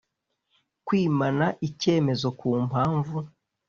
Kwimana icyemezo ku mpamvu